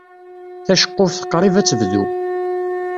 Taceqquft qrib ad tebdu.